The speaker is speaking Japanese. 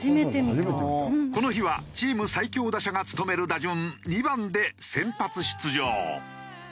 この日はチーム最強打者が務める打順２番で先発出場。